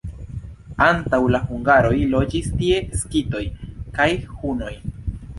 Antaŭ la hungaroj loĝis tie skitoj kaj hunoj.